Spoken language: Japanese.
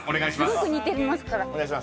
すごく似てますから。